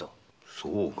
そうか。